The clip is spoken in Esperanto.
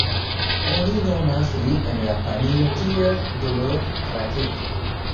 Oni nomas lin en Japanio kiel "D-ro Raketo".